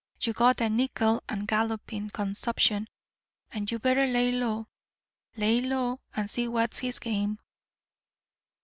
You got a nickel and gallopin' consumption, and you better lay low. Lay low and see w'at's his game."